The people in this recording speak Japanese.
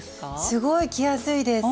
すごい着やすいです。